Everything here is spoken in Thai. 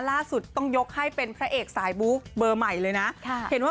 ล่าสุดต้องยกให้เป็นพระเอกสายบู๊เบอร์ใหม่เลยนะค่ะเห็นว่า